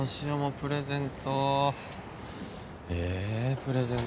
プレゼント。